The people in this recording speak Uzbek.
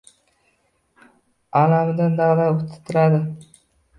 Alamidan dag‘-dag‘ titradi.